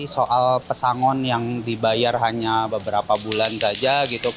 soal pesangon yang dibayar hanya beberapa bulan saja